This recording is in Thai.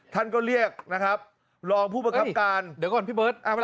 ท่านก็เรียกนะครับรองผู้ประคับการเดี๋ยวก่อนพี่เบิร์ต